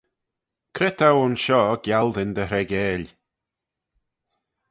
Cre t'ou aynshoh gialdyn dy hreigeil?